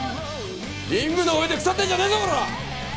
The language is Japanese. リングの上で腐ってんじゃねえぞコラ！